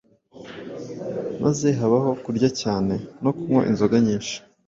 maze habaho kurya cyane no kunywa inzoga nyinshi.